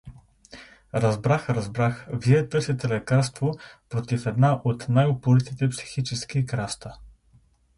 — Разбрах, разбрах, вие търсите лекарство против една от най-упоритите психически краста.